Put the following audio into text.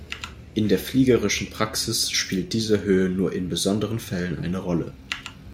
In der fliegerischen Praxis spielt diese Höhe nur in besonderen Fällen eine Rolle.